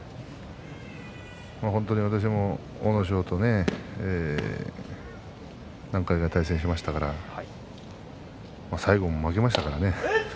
本当に私も阿武咲と何回か対戦しましたから最後、負けましたからね。